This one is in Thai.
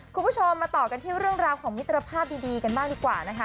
คุณผู้ชมมาต่อกันที่เรื่องราวของมิตรภาพดีกันบ้างดีกว่านะคะ